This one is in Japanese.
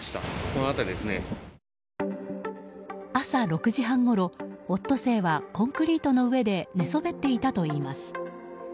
朝６時半ごろ、オットセイはコンクリートの上で寝そべっていたといいます。